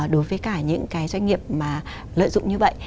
đối với cả những cái doanh nghiệp mà lợi dụng như vậy